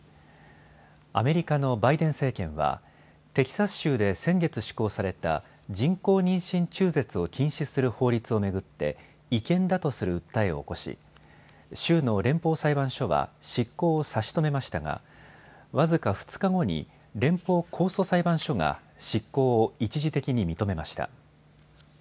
アメリカのバイデン政権はテキサス州で先月施行された人工妊娠中絶を禁止する法律を巡って違憲だとする訴えを起こし州の連邦裁判所は執行を差し止めましたが僅か２日後に連邦控訴裁判所が執行を一時的に認めました。